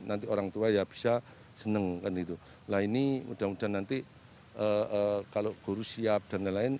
nanti orangtua ya bisa senengkan itu lah ini mudah mudahan nanti kalau guru siap dan lain lain